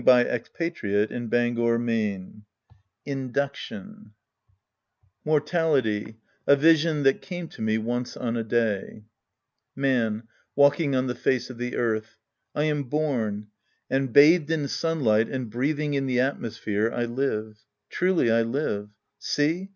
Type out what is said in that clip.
THE PRIEST AND HIS DISCIPLES INDUCTION Mortality — A Vision that Came to Me ' Once on a Day Man {walking on the face of the eartli). I am born. And bathed in sunlight and breathing in the at mosphere, I live. Truly I live. See